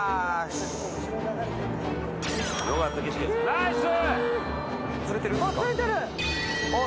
ナイス！